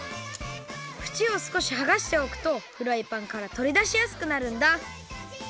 ふちをすこしはがしておくとフライパンからとりだしやすくなるんだ。